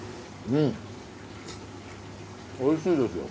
おいしいですよ。